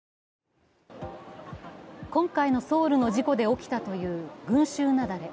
今回のソウルの事故で起きたという群集雪崩。